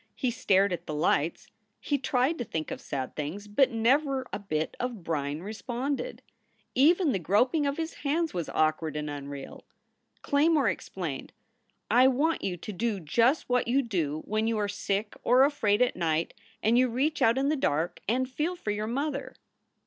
He stared at the lights. He tried to think of sad things, but never a bit of brine responded. Even the groping of his hands was awkward and unreal. Claymore explained, "I want you to do just what you do when you are sick or afraid at night and you reach out in the dark and feel for your mother."